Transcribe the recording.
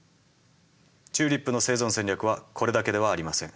チューリップの生存戦略はこれだけではありません。